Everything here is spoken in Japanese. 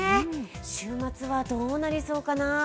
週末はどうなりそうかな。